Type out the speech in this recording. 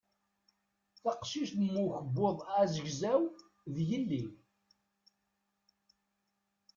Taqcict mm ukebbuḍ azegzaw d yelli.